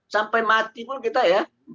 sampai mati pun kita ya